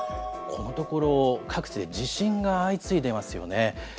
このところ、各地で地震が相次いでいますよね。